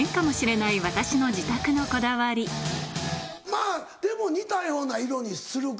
まぁでも似たような色にするか。